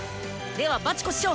ではバチコ師匠！